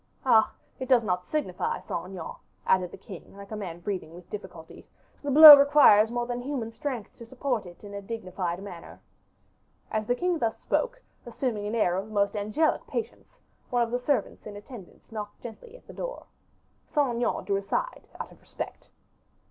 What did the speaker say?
Ah! it does not signify, Saint Aignan," added the king, like a man breathing with difficulty, "the blow requires more than human strength to support in a dignified manner." As the king thus spoke, assuming an air of the most angelic patience, one of the servants in attendance knocked gently at the door. Saint Aignan drew aside, out of respect.